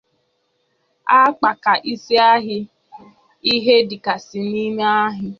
àkpàaka ise ihe dịgasị n'ime ha